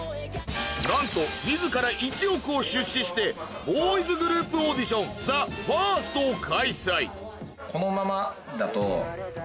なんと自ら１億を出資してボーイズグループオーディション「ＴＨＥＦＩＲＳＴ」を開催